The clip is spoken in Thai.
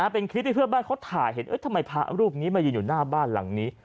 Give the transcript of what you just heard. เป็นคลิปที่เพื่อนบ้านเขาถ่ายเห็นทำไมพระรูปนี้มายืนอยู่หน้าบ้านหลังนี้